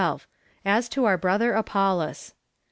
As to our brother Apollos.